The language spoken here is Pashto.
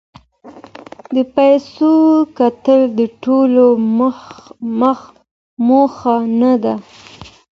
د پیسو ګټل د ټولو موخه نه ده.